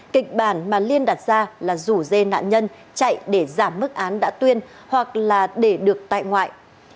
kịch bản mà liên đặt ra là rủ dê nạn nhân chạy để giảm mức án đã tuyên hoặc là để được tại ngoại